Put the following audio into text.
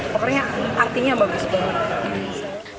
pokoknya artinya bagus banget